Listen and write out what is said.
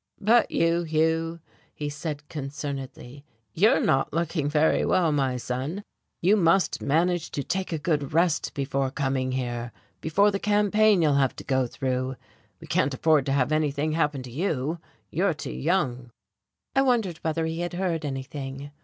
"But you, Hugh," he said concernedly, "you're not looking very well, my son. You must manage to take a good rest before coming here before the campaign you'll have to go through. We can't afford to have anything happen to you you're too young." I wondered whether he had heard anything....